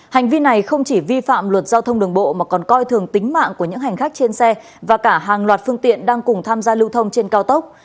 hành vi này không chỉ vi phạm luật giao thông đường bộ mà còn coi thường tính mạng của những hành khách trên xe và cả hàng loạt phương tiện đang cùng tham gia lưu thông trên cao tốc